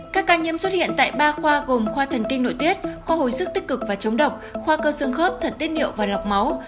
các ca nhiễm xuất hiện tại ba khoa gồm khoa thần kinh nội tiết khoa hồi sức tích cực và chống độc khoa cơ xương khớp thật tiết điệu và lọc máu